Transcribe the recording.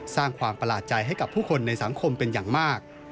สร้างความประหลาดใจให้กับผู้คนในสังคมเป็นอย่างมาก